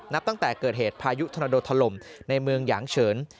ตั้งแต่เกิดเหตุพายุธนโดถล่มในเมืองหยางเฉิน